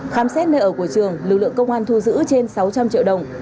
khám xét nơi ở của trường lực lượng công an thu giữ trên sáu trăm linh triệu đồng